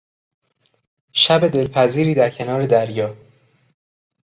شب دلپذیری در کنار دریا